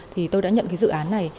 thì tôi đã nhận dự án này